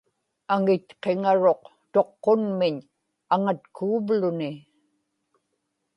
aŋitqiŋaruq tuqqunmiñ aŋatkuuvluni